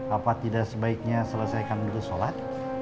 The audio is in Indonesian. apa tidak sebaiknya selesaikan dulu sholat